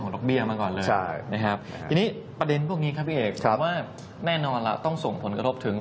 ทีนี้ประเด็นพวกนี้ครับพี่เอกคือว่าแน่นอนแล้วต้องส่งผลกระทบถึง